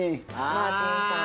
マーティンさん。